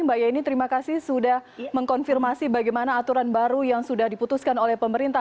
mbak yeni terima kasih sudah mengkonfirmasi bagaimana aturan baru yang sudah diputuskan oleh pemerintah